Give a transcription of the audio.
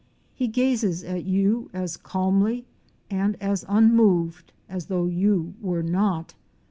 He gazes at you as calmly and as unmoved as though you were not.